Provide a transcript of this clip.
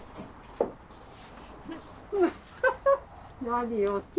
何よ